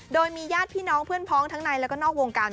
โดยมีญาติพี่น้องเพื่อนพ้องทั้งในแล้วก็นอกวงการ